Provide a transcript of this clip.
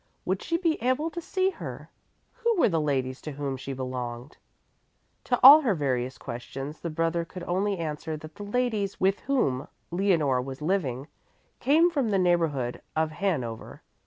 Would she be able to see her? Who were the ladies to whom she belonged? To all her various questions the brother could only answer that the ladies with whom Leonore was living came from the neighborhood of Hannover.